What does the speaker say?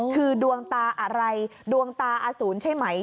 คือดวงตาอะไรดวงตาอสูรใช่ไหม